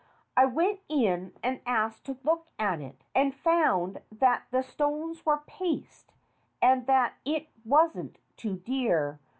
I went in and asked to look at it, and found that the stones were paste, and that it wasn't too dear.